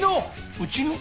うちの？